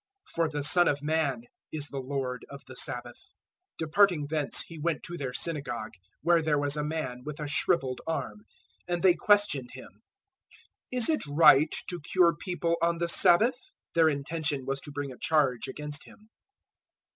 012:008 For the Son of Man is the Lord of the Sabbath." 012:009 Departing thence He went to their synagogue, 012:010 where there was a man with a shrivelled arm. And they questioned Him, "Is it right to cure people on the Sabbath?" Their intention was to bring a charge against Him.